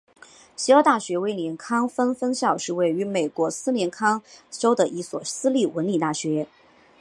协和大学威斯康辛分校是位于美国威斯康辛州的一所私立文理大学。